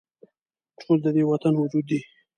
ټول د دې وطن وجود دي